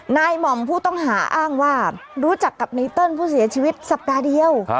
หม่อมผู้ต้องหาอ้างว่ารู้จักกับไนเติ้ลผู้เสียชีวิตสัปดาห์เดียว